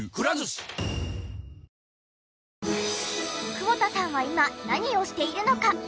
久保田さんは今何をしているのか？